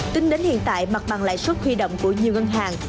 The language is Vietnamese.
tính đến hiện tại mặt bằng lãi suất huy động của nhiều ngân hàng